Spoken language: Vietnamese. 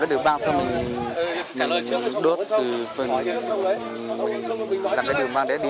cái đường băng xong mình đốt từ phần mình làm cái đường băng để đi